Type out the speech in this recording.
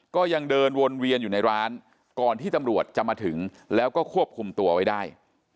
ก็ยังเดินวนเวียนอยู่ในร้านก่อนที่ตำรวจจะมาถึงแล้วก็ควบคุมตัวไว้ได้